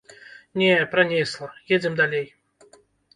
Не, пранесла, едзем далей.